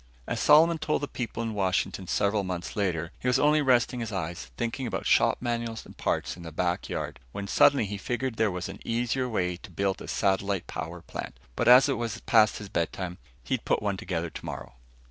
As Solomon told the people in Washington several months later, he was only resting his eyes, thinking about shop manuals and parts in the back yard. When suddenly he figured there was an easier way to build a satellite power plant. But, as it was past his bedtime, he'd put one together tomorrow.